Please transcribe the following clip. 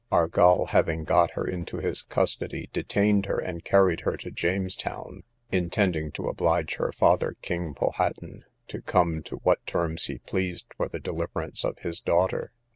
Argall, having got her into his custody, detained her, and carried her to James's Town, intending to oblige her father, king Powhaton, to come to what terms he pleased for the deliverance of his daughter.